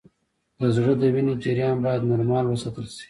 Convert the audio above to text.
د زړه د وینې جریان باید نورمال وساتل شي